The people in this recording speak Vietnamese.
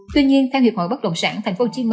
tuy nhiên theo hiệp hội bất động sản tp hcm